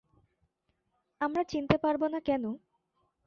আমরা চিনতে পারব না কেন?